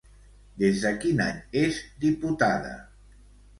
Des de quin any és diputada?